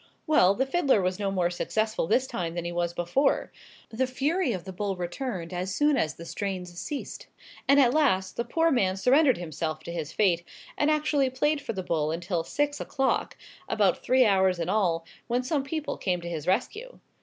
Well, the fiddler was no more successful this time than he was before. The fury of the bull returned, as soon as the strains ceased; and at last, the poor man surrendered himself to his fate, and actually played for the bull until six o'clock about three hours in all when some people came to his rescue.